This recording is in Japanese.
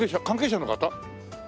関係者の方？